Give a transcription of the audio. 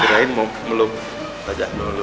jadikan mau melup tajak dulu